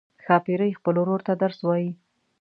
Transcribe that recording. ښاپیرۍ خپل ورور ته درس وايي.